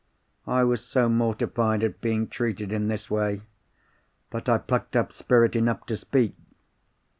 I was so mortified at being treated in this way, that I plucked up spirit enough to speak.